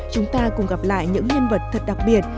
chúng ta cùng gặp lại những nhân vật thật đặc biệt